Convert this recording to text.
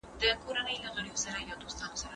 پرمختیا باید مثبت او ګټور لوری ولري.